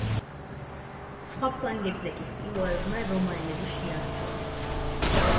სხვა ფლანგებზე კი სპილოებმა რომაელები შეავიწროვეს.